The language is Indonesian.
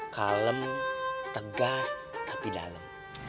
kalem tegas tapi dalem